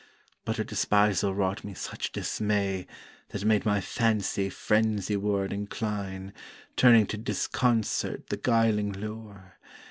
But her despisal wrought me such dismay That made my Fancy phrenesy ward incline, Turning to disconcert the guiling lure.